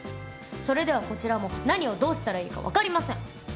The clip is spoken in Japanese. それではこちらも何をどうしたらいいかわかりません。